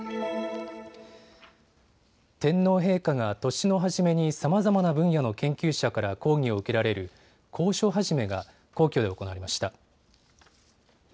天皇陛下が年の初めにさまざまな分野の研究者から講義を受けられる講書始が皇居で行われました。